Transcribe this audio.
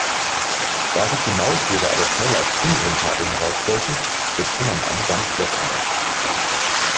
Da sich die Maultiere aber schnell als unrentabel herausstellten, setzte man eine Dampflok ein.